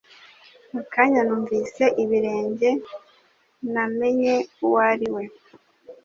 Mu kanya numvise ibirenge namenye uwo ari we